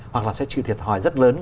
hoặc là sẽ trừ thiệt hỏi rất lớn